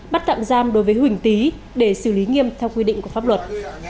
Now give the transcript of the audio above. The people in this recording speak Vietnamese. bắt tạm giam đối với huỳnh tý để xử lý nghiêm theo quy định của pháp luật